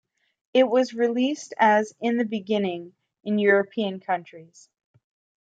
It was released as In the Beginning in European countries.